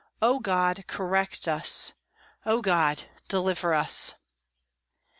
O God, correct us! O God, deliver us!"